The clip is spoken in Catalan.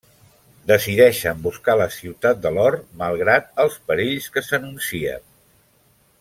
Decideixen buscar la ciutat de l'or malgrat els perills que s'anuncien.